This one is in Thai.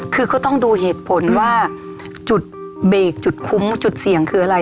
คือก็ต้องดูเหตุผลว่าจุดเบรกจุดคุ้มจุดเสี่ยงคืออะไร